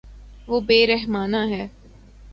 وہ بے رحمانہ ہے